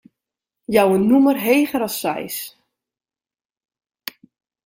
Jou in nûmer heger as seis.